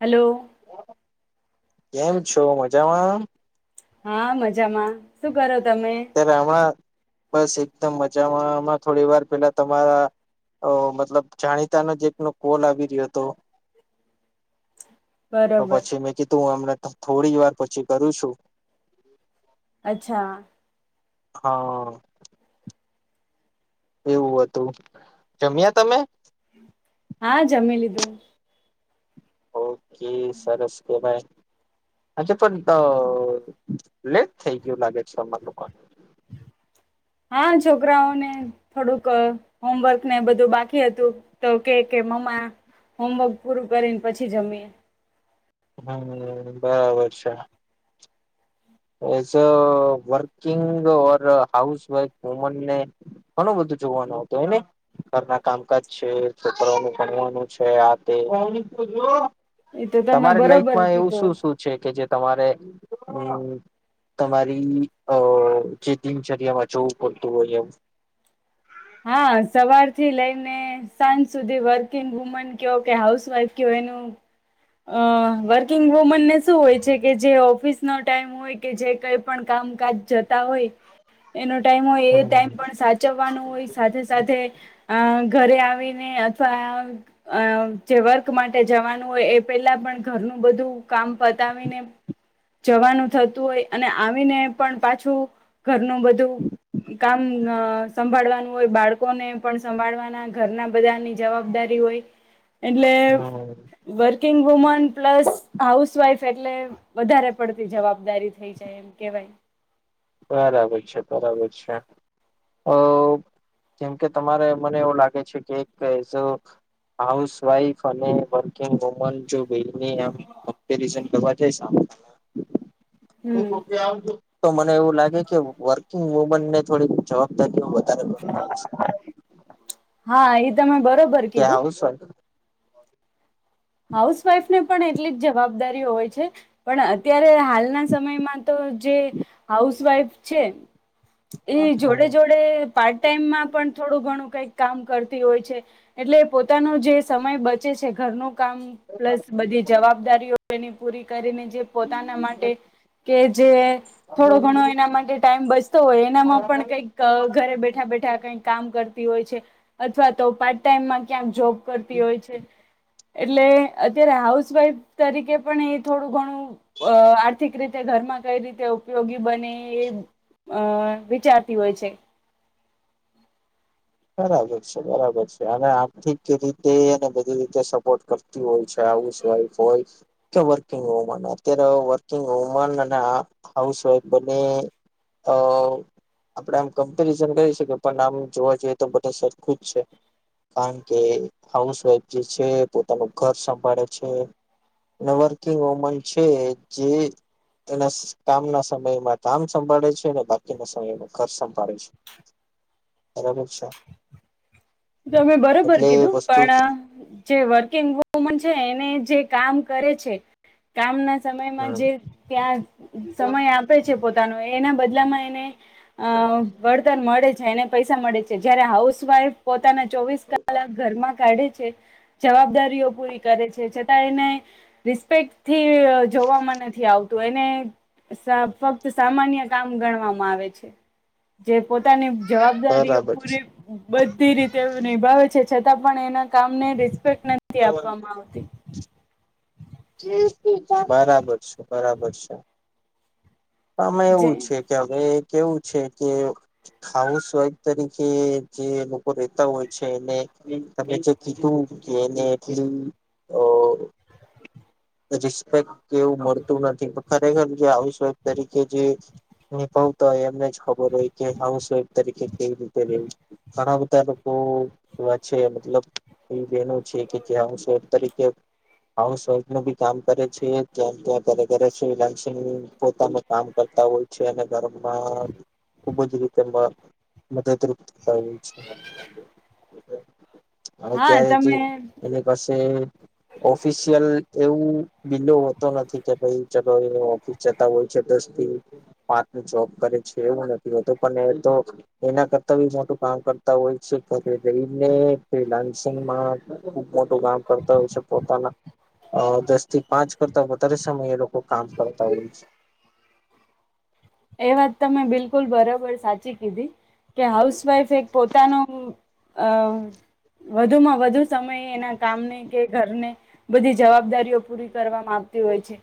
Hello. કેમ છો મજામાં? હા, મજામાં શું કરો તમે તે રામા બસ એકદમ મજામાં આમાં થોડી વાર પેલા તમારા અહ મતલબ જાણીતાનો જ એકનો કોલ આવી રહ્યો તો. તો બરોબર પછી મેં કીધું હું હમણે થોડી વાર પછી કરું છું. અચ્છા હા. એવું હતું. જમ્યા તમે? હા, જમી લધું. હો. કે સરસ કે ભાઈ અચ્છા પણ તો લેટ થઈ ગયું લાગે છે અમાર લોકોને. હા છોકરાઓને થોડુંક હોમવર્ક ને એ બધું બાકી હતું, તો કહે કે મમ્મા, હોમવર્ક પૂરું કરીને પછી જમીએ. હમ્મ, બરાબર છે. As a working or housewife વુમનને ઘણું બધું જોવાનું હોતું હેને? ઘરના કામકાજ છે, છોકરાઓનું ભણવાનું છે આ તે. એ તો તમે તમારી બરોબર લાઈફમાં એવું કીધું શું-શું છે કે જે તમારે અમ્મ તમારી અહ જે દિનચર્યામાં જોવું પડતું હોય એવું. હા સવાર થી લઈન ને સાંજ સુધી વર્કિંગ વુમન ક્યો કે હાઉસવાઈફ ક્યો એનું, અહ વર્કિંગ વુમનને શું હોય છે કે જે ઓફિસ નો ટાઈમ હોય કે જે કંઈ પણ કામકાજ જ તા હોય, એનો ટાઈમ હોય એ હમ ટાઈમ પણ સાચવવાનો હોય. સાથે-સાથે અહ ઘરે આવીને અથવા અહ જે વર્ક માટે જવાનું હોય એ પેલા પણ ઘરનું બધું કામ પતાવીને જવાનું થતું હોય, અને આવીને પણ પાછું ઘરનું બધું કામ અહ સંભાળવાનું હોય, બાળકોને પણ સંભાળવાના, ઘરના બધાની જવાબદારી હોય. એટલે હમ વર્કિંગ વુમન પ્લસ હાઉસવાઈફ એટલે વધારે પડતી જવાબદારી થઈ જાય એમ કેવાય. બરાબર છે, બરાબર છે. અહ જેમકે તમારે મને એવું લાગે છે કે એ કેજો હાઉસવાઈફ અને વર્કિંગ વુમન જો ભી મી આમ કંપરીજન કરવા જય સામંત હમ [inaudible] તો મ મને એવું લાગે કે વર્કિંગ વુમનને થોડી જવાબદારી વધારે ઘણું લાગશે. હા, એ તમે બર ક્યાં આવું શે હાઉસવાઈફને પણ એટલી જ જવાબદારીઓ હોય છે પણ અત્યારે હાલના સમયમાં તો જે હાઉસવાઈફ છે હમ એ જોડે જોડે પાર્ટ ટાઈમ માં પણ થોડું ઘણું કઈ કામ કરતી હોય છે એટલે પોતાનો જે સમય બચે છે ઘરનો કામ પ્લસ બધી જવાબદારીઓ એની પૂરી કરીને જે પોતાના માટે કે જે થોડો ઘણો એના માટે ટાઈમ બચ તો હોય એનામાં પણ કઈક અહ ઘરે બેઠા બેઠા કઈક કામ કરતી હોય છે. અથવા તો પાર્ટ ટાઈમમાં ક્યાંક જોબ કરતી હોય છે. એટલે અત્યારે હાઉસવાઈફ તરીકે પણ એ થોડું ઘણું અહ આર્થિક રીતે ઘરમાં કઈ રીતે ઉપયોગી બને એ અહ વિચારતી હોય છે. બરાબર છે, બરાબર છે. અને આર્થિક રીતે એ બધી રીતે સપોર્ટ કરતી હોય છે હાઉસવાઈફ હોય કે વર્કિંગ વુમન અત્યારે વર્કિંગ વુમન અને આ હાઉસવાઈફ બને અહ આપડે આમ કમ્પેરિઝન કરી શકીએ પણ આમ જોવા જઈ તો બધા સરખું જ છે કારણ કે હાઉસવાઈફ જે છે પોતાનું ઘર સંભાળે છે અને વર્કિંગ વોમન છે જે એના કામના સમયમાં કામ સંભાળે છે બાકીના સમયમાં ઘર સંભાળે છે, બરાબર છે. જો મેં બરોબર એટલે કીધું વસ્તુ પણ જે વર્કિંગ વુમન છે એને જે કામ કરે છે કામ ના સમયમાં હમ જે ત્યાં સમય આપે છે પોતાનો એ એના બદલામાં એને અહ વરદાન મળે છ છે, એને પૈસા મળે છે. જયારે હાઉસવાઈફ તાના ચોવીસ કલાક ઘરમાં કાઢી છે. જવાબદારીઓ પૂરી કરે છે છતાં એને રિસ્પેક્ટથી જોવામાં નથી આવતું એને ફક્ત સામાન્ય કામ ગણવામાં આવે છે. જે પોતાની જવાબદારીઓ બરાબર પૂરી છે બ રી રીતે નિભાવે છે છતાં પણ એના કામને રિસ્પેક્ટ નથી આપવામાં આવતી. બરાબર છે, બરાબર છે. આમાં જે એવું છે કે હવે કેવું છે કે હાઉસવાઈફ તરીકે જે લોકો રેતા હોય છે એને તમે જે કીધું કે એને એટલી અહ રિસ્પેક્ટ કે એવું મળતું નથી પ ખરેખર જે હાઉસવાઈફ તરીકે જે નિભાવતા હોય એમને જ ખબર હોય કે હાઉસવાઈફ તરીકે કેવી રીતે રેવુ ઘણા બધા લોકો એવા છે મતલબ જેનું છે કે ત્યાં હાઉસવાઈફ તરી કે હાઉસવાઇફ નું બી કામ કરે છે ત્યા ત્યા ઘરે ઘરે શ્રી લાન્સિંગ પોતામાં કામ કરતા હોય છે અને ઘરમાં ખુબ જ રીતે મ મદદરૂપ થાપ છે. હા અત્યારે જે તમે એની પાસે ઓફિશિયલ એવું બીલો હોતો નથી કે ભાઈ ચલો એ ઓફિસ જતા હોય છે. દસ થી પાંચ નુ જોબ કરે છે. એવું નથી હોતું પણ એ તો એના કરતા બી મોટું કામ કરતા હોય છે. રહીને ફ્રીલાન્સિંગમાં ઉ મોટું કામ કરતા હોય છે. પોતાના અ દસ થી પાંચ કરતા વધારે સમયે એ લોકો કામ કરતા હોય છે. એ વાત તમે બિલકુલ બરાબર સાચી કીધી. કે હાઉસવાઈફ એક પોતાનું અ વધુમાં વધુ સમયે એના કામને કે ઘરને બધી જવાબદારીઓ પૂરી કરવામાં આવતી હોય છે.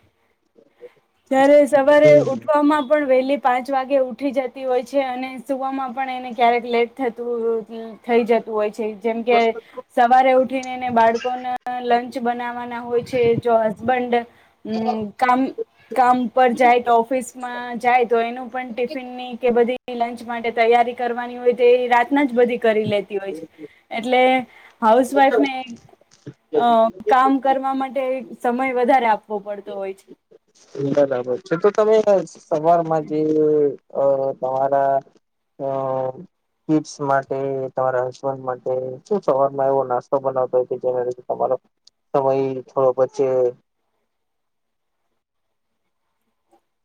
ત્યારે સવારે ઉઠવામાં પણ વહેલી પાંચ વાગે ઉઠી જતી હોય છે. અને સુવામાં પણ એને ક્યારેક લેટ થતું [unintelligible] થઈ જતું હોય છે. જેમ કે સવારે ઉઠીનેને બાળકોને લંચ બનાવવાના હોય છે. જો હસબન્ડ હમ્મ કામ કામ પર જાય તો ઓફિસમાં જાય તો એનું પણ ટિફિન ની કે બધી લંચ માટે તૈયારી કરવાની હોય. તે એ રાતના જ બધી કરી લેતી હોય છે. એટલે હાઉસવાઈફ ને અ કામ કરવા માટે સમય વધારે આપવો પડતો હોય છે. [unintelligible] સવાર માજ અ તારા અ કીટ્સ માટે તમારા હસબન્ડ માટે શું સવારમાં એવો નાસ્તો બનાવતો હોય કે, જેમા તમારો [unintelligible]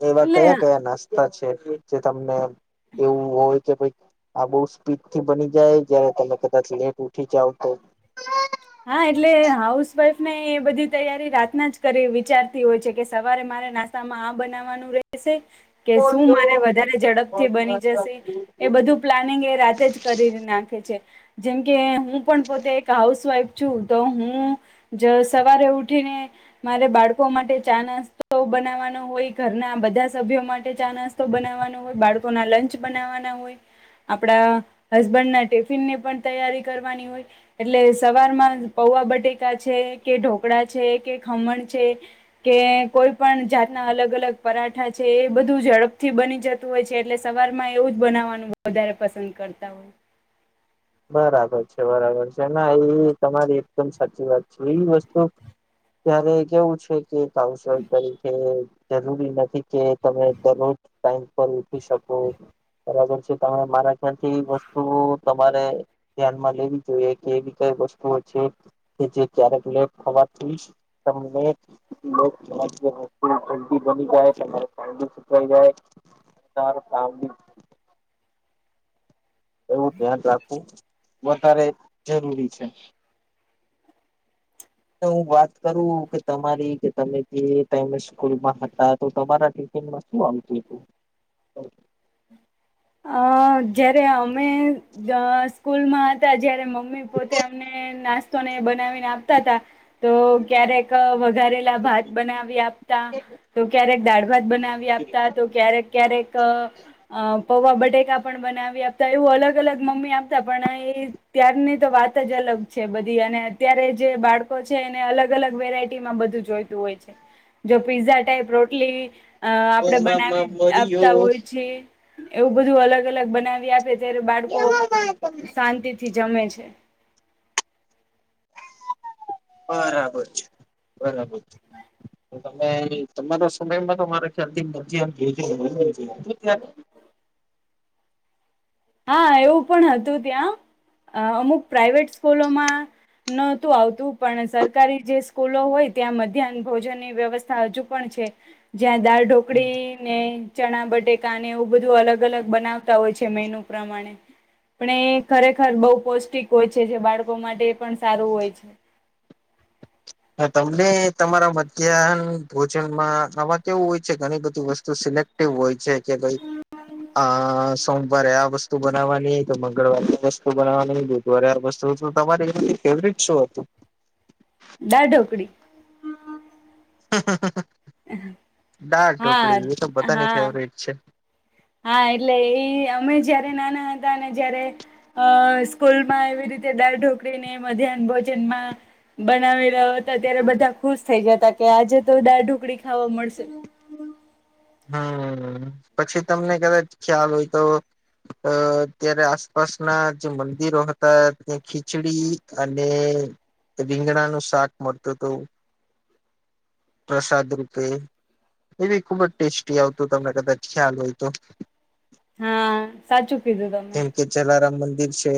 એવા એટલે કયા કયા નાસ્તા છે? જે તમને એવું હોય કે ભાઈ આ બહુ સ્પીડથી બની જાય. જયારે તમે કદાચ લેટ ઉઠી જાવ તો હા એટલે હાઉસવાઈફ ને એ બધી તૈયારી રાતના જ કરી વિચારતી હોય છે. કે સવારે મારે નાસ્તામાં આ બનાવવાનું રહેશે કે શું મારે વધારે ઝડપથી બની જશે. એ બધું પ્લાનિંગ એ રાતે જ કરી નાખે છે. જેમકે હું પણ પોતે એક હાઉસવાઈફ છુ. તો હું જો સવારે ઉઠીને મારે બાળકો માટે ચા નાસ્તો બનાવાનો હોય. ઘરના બધા સભ્યો માટે ચા નાસ્તો બનાવવાનો હોય. બાળકો ના લંચ બનાવવાના હોય. આપડા હસબન્ડ ના ટિફિનની પણ તૈયારી કરવાની હોય. એટલે સવારમા પૌવા બટેકા છે, કે ઢોકળા છે, કે ખમણ છે, કે કોઈ પણ જાતના અલગ અલગ પરાઠા છે, એ બધું ઝડપથી બની જતું હોય છે. એટલે સવારમાં એવું જ બનાવવાનું વધારે પસંદ કરતા હોય. બરાબર છે. બરાબર છે. ના એ તમારી એકદમ સાચી વાત છે. એવી વસ્તુ ત્યારે કેવું છે કે એક હાઉસવાઇફ તરીકે જરૂરી નથી કે તમે દરરોજ ટાઈમ પર ઉઠી શકો. બરાબર છે. તમે મારા ફરતી વસ્તુઓ તમારે ધ્યાન માં લેવી જોઈએ. કે એવી કઈ વસ્તુઓ છે કે જે ક્યારેક ન ખવાતી [unintelligible] એવું ધ્યાન રાખવું વધારે જરૂરી છે. હું વાત કરું કે તમારી, કે તમે જે ટાઈમે સ્કૂલમાં હતા, તો તમારા ટિફિનમાં શું આવતું તું? અઅ જયારે અમે અઅ સ્કૂલમાં હતા જ્યારે મમ્મી પોતે અમને નાસ્તોને બનાવીને આપતા તા. તો ક્યારેક અ ઘારેલા ભાત બનાવી આપતા, તો ક્યારેક દાળ. ભાત બનાવી આપતા તો ક્યારેક ક્યારેક અ પૌવા બટેકા પણ બનાવી આપતા, એવું અલગ અલગ મમ્મી આપતા પણ એ ત્યારની તો વાત જ અલગ છે બધી અને અત્યારે જે બાળકો છે એને અલગ અલગ વેરાયટીમાં બધું જોઈતું હોય છે. જો પીઝા ટાઈપ રોટલી. અ આપણેે બનાવી આપતા મળ્યો હોઈ છે. એવું બધું અલગ અલગ બનાવી આપે. ત્યારે બાળકો શાંતિ. થી જમે છે. બરાબર છે, બરાબર. છે તમે તમારા સમયમાં તો મારા ખ્યાલથી [unintelligible] ત્યાર હા એવું પણ હતું ત્યાં, અ અમુક પ્રાઈવેટ સ્કૂલોમાં નહોતું આવતું પણ સરકારી જે સ્કૂલો હોય ત્યાં મધ્યાહન ભોજનની વ્યવસ્થા હજુ પણ છે. જ્યાં દાળ ઢોકળી ને ચણા બટેકાને એવું બધું અલગ અલગ બનાવતા હોય છે મેનું પ્રમાણે, પણ એ ખરેખર બોઉ પૌષ્ટિક હોય છે જે બાળકો માટે પણ સારું હોય છે. હા, તમને તમારા મધ્યાહન ભોજનમાં આમાં કેવું હોય છે ઘણી બધી વસ્તુ સિલેક્ટિવ હોય છે. કે ભાઈ આ સોમવારે આ વસ્તુ બનાવવાની, તો મંગળવારે વસ્તુ બનાવવાની, બુધવારે આ વસ્તુ તો તમારી એમાંથી ફેવરેટ શો હતું? દાળ ઢોકળી. દાળ હા ઢોકળી એ તો બધાની હા ફેવરીટ છે. હા એટલે ઈ અમે જ્યારે નાના હતાં તને જ્યારે સ્કૂલમાં એવી રીતે દાળ ઢોકળી ને મધ્યાહન ભોજનમાં બનાવી રહ્યા હતા ત્યારે બધા ખુશ થઈ જતા કે આજે તો દાળ ઢોકળી ખાવા મળશે. હમ પછી તમને કદાચ ખ્યાલ હોય તો અ અત્યારે આસપાસના જે મંદિરો હતા ત્યા ખી ખીચડી અને રીંગણા નું શાક મળતું તું [inaudible] પ્રસાદ રૂપે એવી ખુબ જ ટેસ્ટી આવતું તમને કદાચ ખ્યાલ હોય તો,? [unintelligible] હા સાચું કીધું તમે કેમ કે જલારામ મંદિર છે.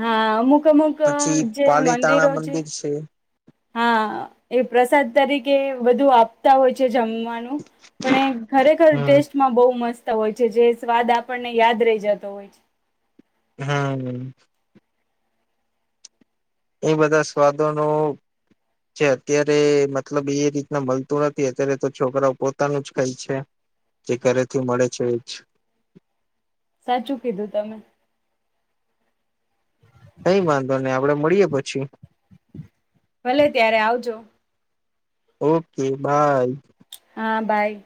હા અમુક અમુક પછી જે પાલીતાણા મંદિરો છે. મંદિર [unintelligible] હા એ પ્રસાદ તરીકે વધુ આપતા હોય છે જમ [unintelligible] ખરેખર હમ ટેસ્ટમાં બહુ મસ્ત [inaudible] હોય છે જે સ્વાદ આપણને યાદ રહી જતો હોય છે. હા એ બધા સ્વાદોનો જે અત્યારે મતલબ એ રીતના મળતું નથી અત્યારે તો છોકરાઓ પોતાનું જ ખાય છે જે ઘરેથી મળે છે એજ. સાચું કીધું તમે. કઈ વાંધો નહી આપડે મળીએ પછી. ભલે ત્યારે આવજો. Okay bye. હા બાય.